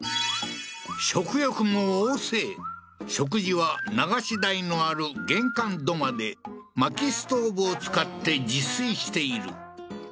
食欲も旺盛食事は流し台のある玄関土間で薪ストーブを使って自炊している